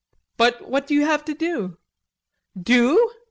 "But what do you have to do?" "Do?